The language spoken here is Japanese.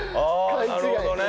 勘違いね。